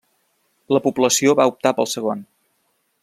La població va optar pel segon.